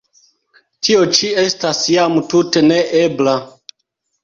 Tio ĉi estas jam tute ne ebla!